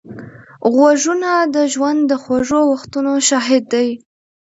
غوږونه د ژوند د خوږو وختونو شاهد دي